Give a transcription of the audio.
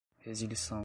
resilição